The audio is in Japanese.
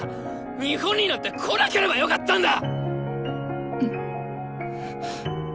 日本になんて来なければよかったんだ！